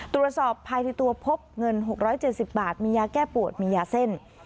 ตรวจสอบภายในตัวพบเงิน๖๗๐บาทมียาแก้ปวดมียาเส้น